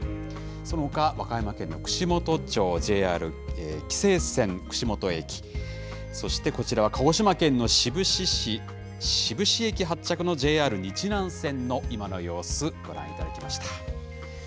そのほか、和歌山県の串本町、ＪＲ紀勢線串本駅、そしてこちらは鹿児島県の志布志市、志布志駅発着のＪＲ日南線の今の様子、ご覧いただきました。